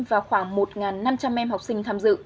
và khoảng một năm trăm linh em học sinh tham dự